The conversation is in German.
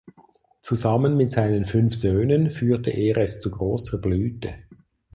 Zusammen mit seinen fünf Söhnen führte er es zu grosser Blüte.